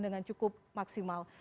dengan cukup maksimal